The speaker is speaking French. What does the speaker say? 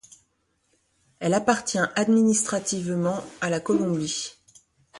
Elle appartient administrativement à la Colombie.